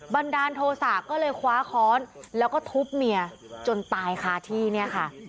บันดาลโทษะก็เลยคว้าค้อนแล้วก็ทุบเมียจนตายคาที่เนี่ยค่ะ